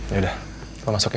yaudah lo masuk ya